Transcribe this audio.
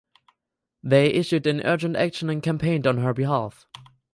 They issued an Urgent Action and campaigned on her behalf.